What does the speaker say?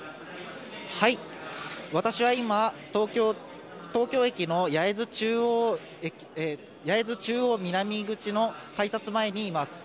私は今、東京駅の八重洲中央南口の改札前にいます。